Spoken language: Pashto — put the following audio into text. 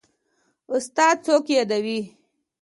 استاده څوک يادوې.